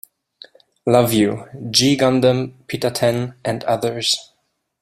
Love You", "G Gundam", "Pita-Ten", and others.